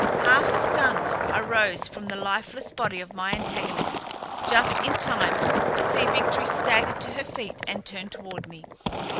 Half stunned, I rose from the lifeless body of my antagonist just in time to see Victory stagger to her feet and turn toward me.